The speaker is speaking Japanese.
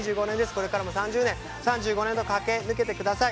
これからも３０年、３５年と駆け抜けてください。